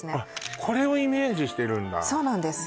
これをイメージしてるんだそうなんです